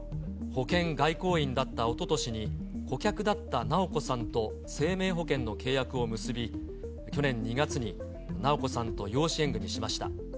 保険外交員だったおととしに、顧客だった直子さんと生命保険の契約を結び、去年２月に、直子さんと養子縁組みしました。